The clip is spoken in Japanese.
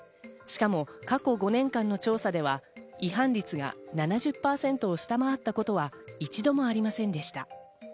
しかも過去５年間の調査では違反率が７０％を下回ったことは一度もありませんでした。